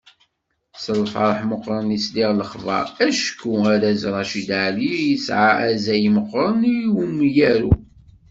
S lferḥ meqqren i sliɣ i lexbar, acku arraz Racid Ɛellic yesɛa azal meqqren i umyaru.